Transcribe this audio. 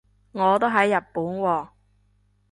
我都喺日本喎